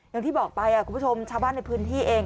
อย่างที่บอกไปคุณผู้ชมชาวบ้านในพื้นที่เอง